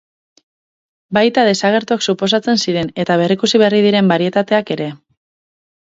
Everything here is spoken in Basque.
Baita desagertuak suposatzen ziren eta berrikusi berri diren barietateak ere.